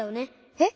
えっ！